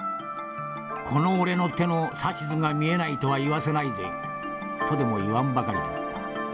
『この俺の手の指図が見えないとは言わせないぜ』とでも言わんばかりだった。